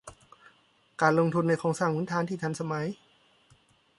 การลงทุนในโครงสร้างพื้นฐานที่ทันสมัย